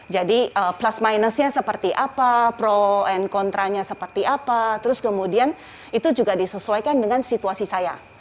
jadi plus minusnya seperti apa pro and contra nya seperti apa terus kemudian itu juga disesuaikan dengan situasi saya